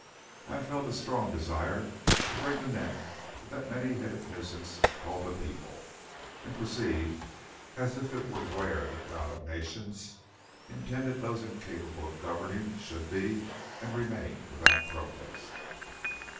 I have felt a strong desire to wring the neck of that many headed nuisance called 'the people,' and proceed as if it were where the God of nations intended those incapable of governing should be and remain without protest."